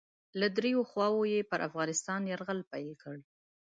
له دریو خواوو یې پر افغانستان یرغل پیل کړ.